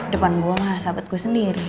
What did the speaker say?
depan gue mah sahabat gue sendiri